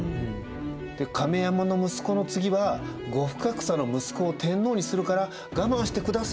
で「亀山の息子の次は後深草の息子を天皇にするから我慢してくださいよ」。